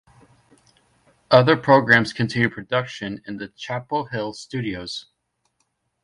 Other programs continue production in the Chapel Hill studios.